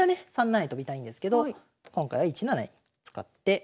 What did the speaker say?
３七に跳びたいんですけど今回は１七に使って。